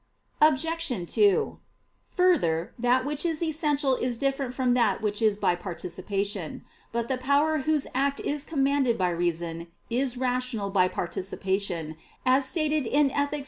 Obj. 2: Further, that which is essential is different from that which is by participation. But the power whose act is commanded by reason, is rational by participation, as stated in _Ethic.